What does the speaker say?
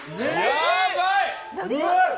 やばい！